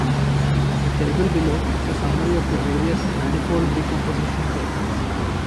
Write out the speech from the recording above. The table below is a summary of the various manifold-decomposition techniques.